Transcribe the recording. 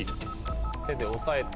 手で押さえて。